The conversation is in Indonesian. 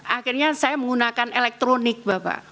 akhirnya saya menggunakan elektronik bapak